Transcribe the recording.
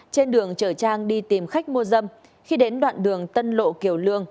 trên đường chở trang đi tìm khách mua dâm khi đến đoạn đường tân lộ kiểu lương